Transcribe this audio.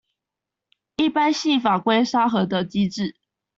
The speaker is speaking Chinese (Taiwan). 一般性法規沙盒的機制